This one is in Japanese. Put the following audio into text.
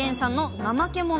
ナマケモノ？